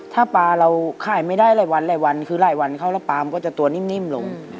ถ้าปลาเราขายไม่ได้หลายวันหลายวันคือหลายวันเข้าแล้วปลามก็จะตัวนิ่มลง